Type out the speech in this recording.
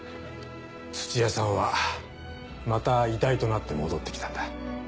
土屋さんはまた遺体となって戻って来たんだ。